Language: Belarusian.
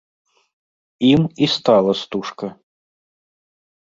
Ім і стала стужка.